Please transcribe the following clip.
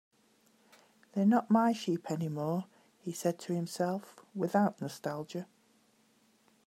"They're not my sheep anymore," he said to himself, without nostalgia.